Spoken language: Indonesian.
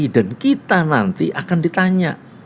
dan kita nanti akan ditanya